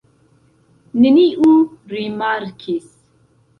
Neniu rimarkis!